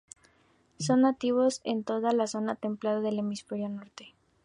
Son nativos en toda la zona templada del hemisferio norte.